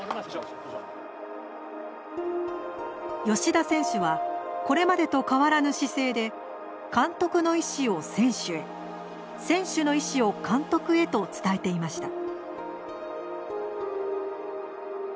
吉田選手はこれまでと変わらぬ姿勢で監督の意思を選手へ選手の意思を監督へと伝えていました。